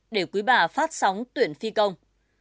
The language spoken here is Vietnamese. để quý bà phát sóng tuyển phi công